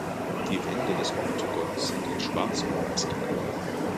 Die Wände des Oktogons sind in Schwarz und Weiß gehalten.